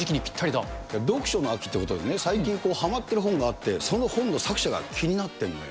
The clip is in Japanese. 読書の秋っていうことでね、最近、ハマってる本があって、その本の作者が気になってるのよ。